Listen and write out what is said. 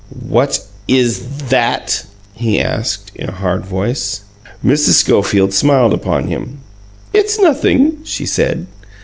"What IS that?" he asked, in a hard voice. Mrs. Schofield smiled upon him. "It's nothing," she said.